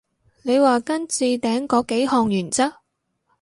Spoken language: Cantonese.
你話跟置頂嗰幾項原則？